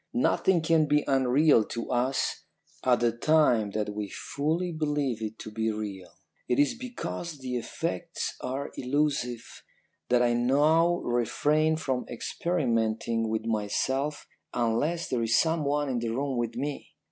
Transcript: Nothing can be unreal to us at the time that we fully believe it to be real. It is because the effects are illusive that I now refrain from experimenting with myself unless there is someone in the room with me.